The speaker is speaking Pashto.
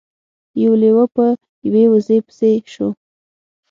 یو لیوه په یوې وزې پسې شو.